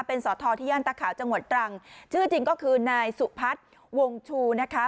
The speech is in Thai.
เป็นสอทอที่ย่านตะขาวจังหวัดตรังชื่อจริงก็คือนายสุพัฒน์วงชูนะคะ